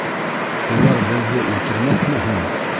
— Улар беҙҙе үлтермәҫме һуң?